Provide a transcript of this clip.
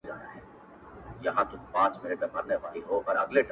د سواهدو په لټه کي دي او هر څه ګوري,